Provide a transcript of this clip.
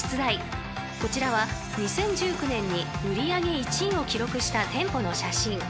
［こちらは２０１９年に売り上げ１位を記録した店舗の写真］